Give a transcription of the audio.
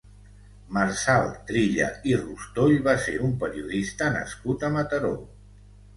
Marçal Trilla i Rostoll va ser un periodista nascut a Mataró.